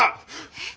えっ！？